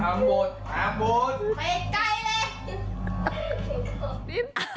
ร้ามหมดร้ามหมดไปให้ใกล้เลย